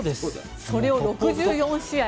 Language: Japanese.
それを６４試合。